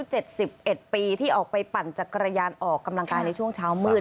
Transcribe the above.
เจ็ดสิบเอ็ดปีที่ออกไปปั่นจักรยานออกกำลังกายในช่วงเช้ามืด